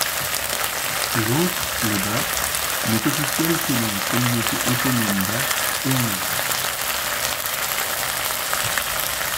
L'autre, le basque, n'est officielle que dans la Communauté autonome basque et en Navarre.